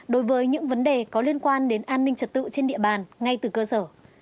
đối với những vấn đề có liên quan đến an ninh trật tự trên địa bàn ngay từ cơ sở